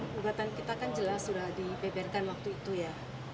gugatan kita kan jelas sudah dibeberkan waktu itu ya